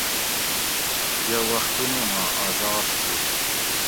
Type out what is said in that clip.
یہ وختونی ما آذاد تھو